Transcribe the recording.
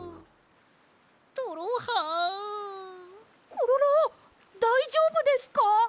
コロロだいじょうぶですか？